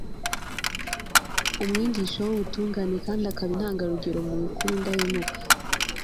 umwigisha w'ubutungane kandi akaba intangarugero mu kuba indahemuka